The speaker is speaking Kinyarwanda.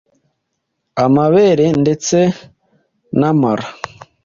amabere ndetse n’amara